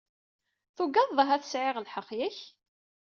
Tugadeḍ ahat sɛiɣ lḥeqq, yak?